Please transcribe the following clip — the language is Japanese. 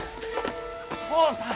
父さん。